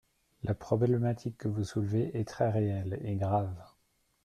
La problématique que vous soulevez est très réelle, et grave.